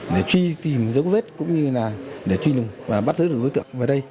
để truy tìm dấu vết cũng như là để truy lùng và bắt giữ được đối tượng về đây